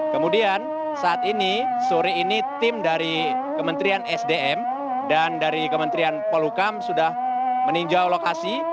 kemudian saat ini sore ini tim dari kementerian sdm dan dari kementerian polukam sudah meninjau lokasi